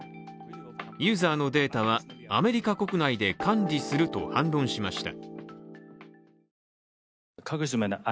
ユーザーのデータはアメリカ国内で管理すると反論しました。